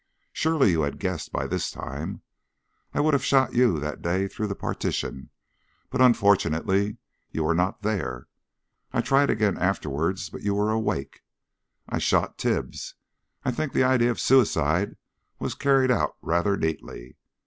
Surely you had guessed that by this time. I would have shot you that day through the partition, but unfortunately you were not there. I tried again afterwards, but you were awake. I shot Tibbs. I think the idea of suicide was carried out rather neatly.